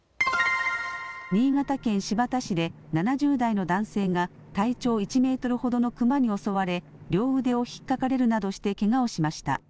新潟県新発田市で７０代の男性が体長１メートルほどのクマに襲われ両腕をひっかかれるなどして、けがをしました。